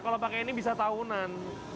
kalau pakai ini bisa tahunan